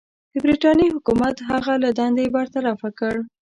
د برټانیې حکومت هغه له دندې برطرفه کړ.